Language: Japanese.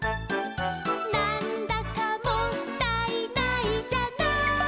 「なんだかもったいないじゃない」